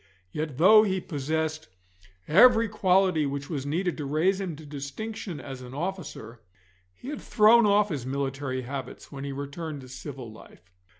Yet though he possessed every quality which was needed to raise him to distinction as an officer, he had thrown off his military habits when he returned to civil life.